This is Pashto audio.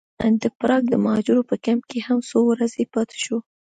د پراګ د مهاجرو په کمپ کې هم څو ورځې پاتې شوو.